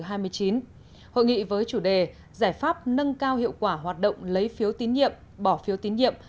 hội nghị với chủ đề giải pháp nâng cao hiệu quả hoạt động lấy phiếu tín nhiệm bỏ phiếu tín nhiệm